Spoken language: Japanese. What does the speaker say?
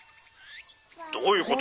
どういうこと？」。